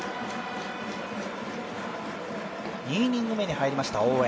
２イニング目に入りました大江。